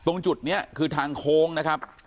ตรงจุดนี้คือทางโค้งนะครับ